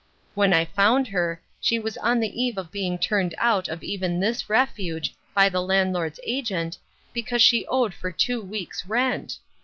When I found her, she was on the eve of being turned out of even this refuge, by the land lord's agent, because she owed for two weeks' rent